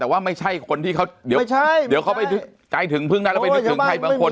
แต่ว่าไม่ใช่คนที่เขาเดี๋ยวเขาไปใจถึงพึ่งนั้นแล้วไปนึกถึงใครบางคน